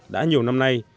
đã nhiều năm nay